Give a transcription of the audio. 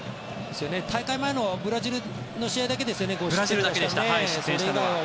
大会前のブラジルとの試合だけですよね失点したのは。